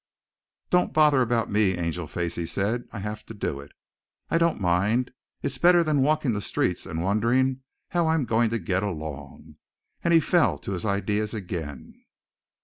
"Don't bother about me, Angelface," he said. "I have to do it. I don't mind. It's better than walking the streets and wondering how I'm going to get along" and he fell to his ideas again.